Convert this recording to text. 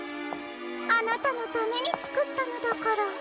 あなたのためにつくったのだから。